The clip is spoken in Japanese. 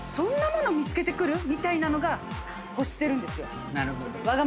みたいなの欲してるんですよ。